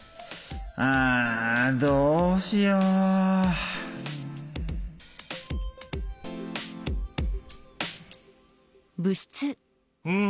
あどうしよううん。